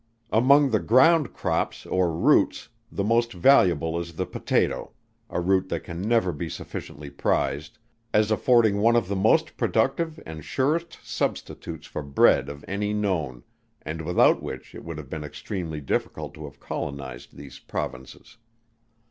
Among the ground crops or roots, the most valuable is the Potatoe a root that can never be sufficiently prized, as affording one of the most productive and surest substitutes for bread of any known, and without which it would have been extremely difficult to have colonized these Provinces.